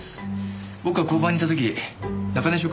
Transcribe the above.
僕が交番にいた時中根署